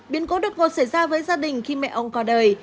biến cố đột ngột xảy ra với gia đình khi mẹ ông có đời